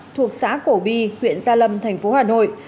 thuộc xã cổ bi huyện gia lâm thành phố hà nội